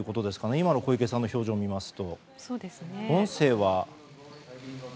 今の小池さんの表情を見ますと。